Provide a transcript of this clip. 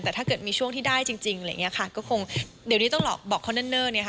แต่ถ้าเกิดมีช่วงที่ได้จริงก็คงเดี๋ยวนี้ต้องบอกเขานั่นเนิ่น